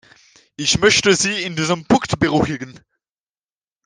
Ich möchte Sie in diesem Punkt beruhigen.